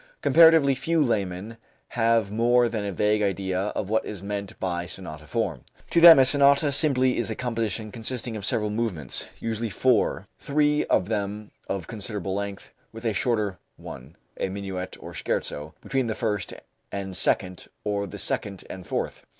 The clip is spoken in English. Comparatively few laymen have more than a vague idea of what is meant by sonata form. To them a sonata simply is a composition consisting of several movements, usually four, three of them of considerable length, with a shorter one (a minuet or scherzo) between the first and second or the second and fourth.